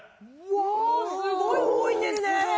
うわすごいうごいてるね。